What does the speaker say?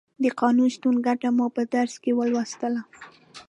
د قانون شتون ګټه مو په درس کې ولوستله.